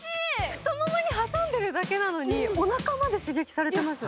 太ももに挟んでるだけなのにおなかまで刺激されてます。